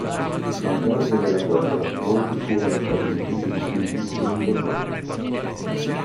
Al termine della guerra molti furono i caduti ed i figli che non tornarono.